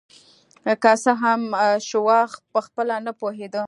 که څه هم شواب پخپله نه پوهېده